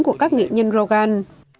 của các nghệ nhân rogan